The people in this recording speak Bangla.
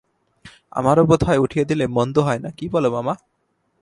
আমারও বোধ হয় উঠিয়ে দিলে মন্দ হয় না, কী বল মামা?